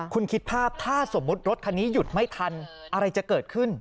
คุณคิดภาพถ้าสมมุติรถคันนี้หยุดไม่ทันอะไรจะเกิดขึ้น